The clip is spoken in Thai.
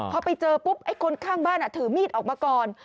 พอไปเจอปุ๊บไอ้คนข้างบ้านถือมีดออกมาก่อน